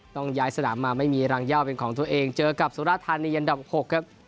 ต้องย้ายสนามมาไม่มีรังย่าเป็นของตัวเองเจอกับสุรธานีอันดับ๖ครับ